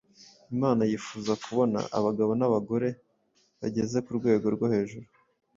Imana yifuza kubona abagabo n’abagore bageze ku rwego rwo hejuru;